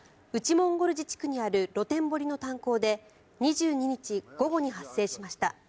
モンゴル自治区にある露天掘りの炭鉱で２２日午後に発生しました。